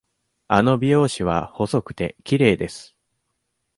あの美容師は細くて、きれいです。